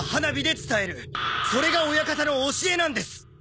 それが親方の教えなんです！